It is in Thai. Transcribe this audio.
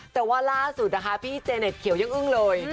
แต่ว่าล่าสุดนะคะพี่เจเน็ตเขียวยังอึ้งเลย